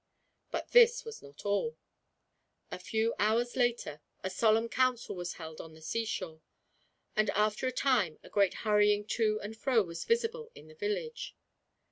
But this was not all. A few hours later a solemn council was held on the seashore, and after a time a great hurrying to and fro was visible in the village.